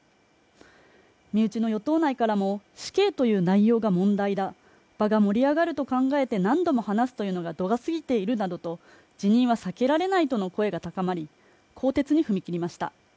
身内の与党内からも死刑という内容が問題だ、場が盛り上がると考えて何度も話すというのが度が過ぎているなどと辞任は避けられないとの声が高まり、更迭に踏み切りました。